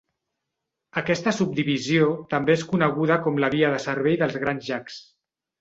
Aquesta subdivisió també és coneguda com la via de servei dels Grans Llacs.